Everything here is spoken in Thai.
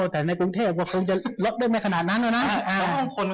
แต่ในกรุงเทพก็คงจะล็อกได้ไม่ขนาดนั้นนะ